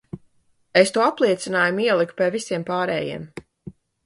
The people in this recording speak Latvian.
Es to apliecinājumu ieliku pie visiem pārējiem.